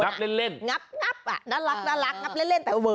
ับเล่นงับอ่ะน่ารักงับเล่นแต่เวอ